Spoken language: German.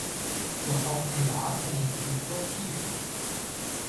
Doch auch privat erlebt Victor Tiefen.